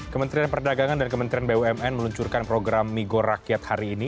kementerian perdagangan dan kementerian bumn meluncurkan program migo rakyat hari ini